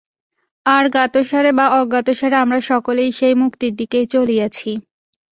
আর জ্ঞাতসারে বা অজ্ঞাতসারে আমরা সকলেই সেই মুক্তির দিকেই চলিয়াছি।